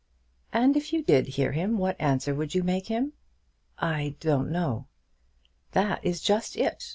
"And if you did hear him, what answer would you make him?" "I don't know." "That is just it.